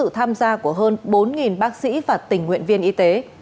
tham gia của hơn bốn bác sĩ và tình nguyện viên y tế